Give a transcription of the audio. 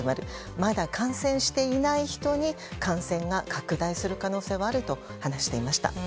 まだ感染していない人に感染が拡大する可能性はあると話していました。